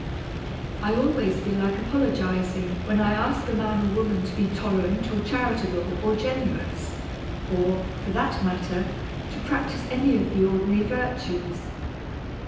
I always feel like apologizing when I ask a man or a woman to be tolerant or charitable or generous or, for that matter, to practice any of the ordinary virtues.